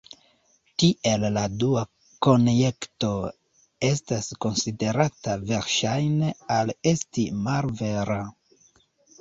Tiel la dua konjekto estas konsiderata verŝajne al esti malvera.